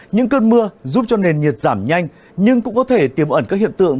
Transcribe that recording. những cơn mưa giúp cho nền nhiệt giảm nhanh nhưng cũng có thể tiềm ẩn các hiện tượng